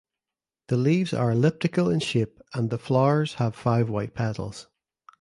The leaves are elliptical in shape and the flowers have five white petals.